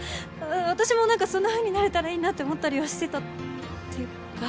私も何かそんなふうになれたらいいなって思ったりはしてたっていうか。